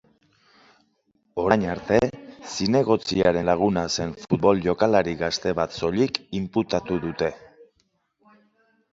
Orain arte, zinegotziaren laguna zen futbol jokalari gazte bat soilik inputatu dute.